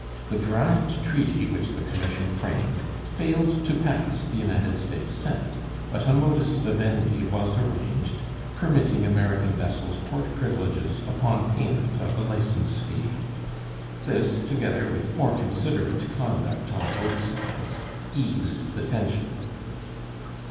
The draft treaty which the commission framed failed to pass the United States Senate, but a modus vivendi was arranged permitting American vessels port privileges upon payment of a licence fee. This, together with more considerate conduct on both sides, eased the tension.